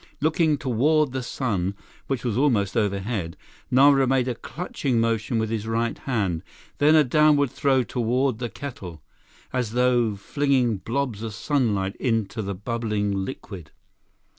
Looking toward the sun, which was almost overhead, Nara made a clutching motion with his right hand; then a downward throw toward the kettle, as though flinging blobs of sunlight into the bubbling liquid.